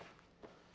gak ada apa apa